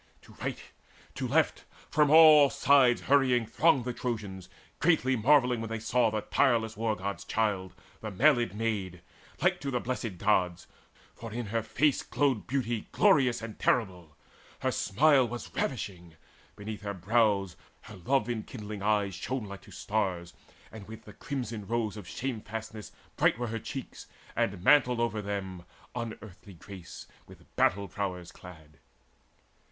To right, to left, from all sides hurrying thronged The Trojans, greatly marvelling, when they saw The tireless War god's child, the mailed maid, Like to the Blessed Gods; for in her face Glowed beauty glorious and terrible. Her smile was ravishing: beneath her brows Her love enkindling eyes shone like to stars, And with the crimson rose of shamefastness Bright were her cheeks, and mantled over them Unearthly grace with battle prowess clad.